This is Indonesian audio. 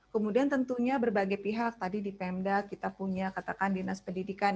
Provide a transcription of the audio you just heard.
kemudian tentunya berbagai pihak tadi di pemda kita punya katakan dinas pendidikan